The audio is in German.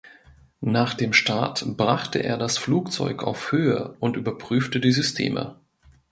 Nach dem Start brachte er das Flugzeug auf Höhe und überprüfte die Systeme.